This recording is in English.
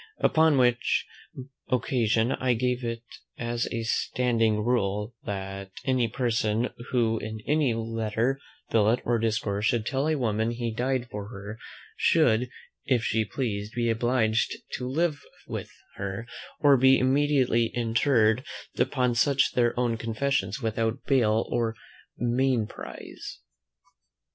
Upon which occasion I gave it as a standing rule, "That any person, who in any letter, billet, or discourse, should tell a woman he died for her, should, if she pleased, be obliged to live with her, or be immediately interred upon such their own confessions without bail or mainprize."